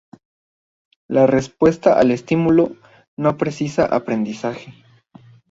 La respuesta al estímulo no precisa aprendizaje.